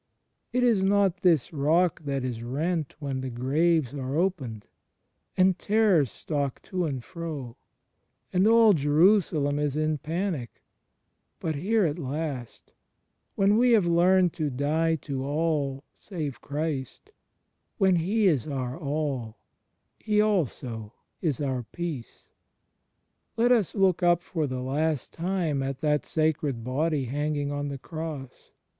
It is not this rock that is rent when the graves are opened, and terrors stalk to and fro, and all Jerusalem is in panic; but here at last, when we have learned to die to all save Christ, when He is our All, He also is oxu: Peace. Let us look up for the last time at that Sacred Body hanging on the Cross.